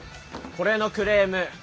これのクレーム